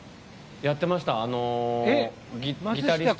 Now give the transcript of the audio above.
やってました。